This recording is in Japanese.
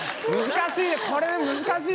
難しい！